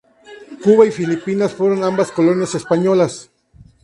Cuba y Filipinas fueron ambas colonias españolas.